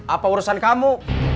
apa urusan kamu